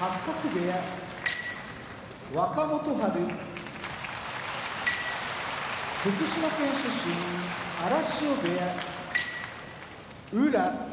若元春福島県出身荒汐部屋宇良